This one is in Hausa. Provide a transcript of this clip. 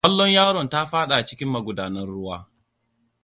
Ƙwallon yaron ta faɗa cikin magudanar ruwa.